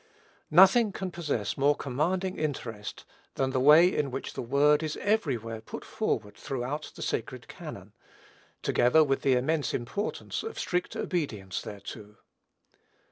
Nothing can possess more commanding interest than the way in which the word is everywhere put forward throughout the sacred canon, together with the immense importance of strict obedience thereto.